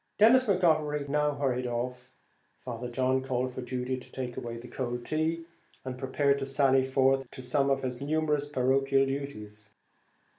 Denis McGovery now hurried off. Father John called for Judy to take away the cold tea, and prepared to sally forth to some of his numerous parochial duties.